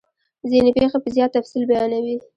ځیني پیښې په زیات تفصیل بیانوي.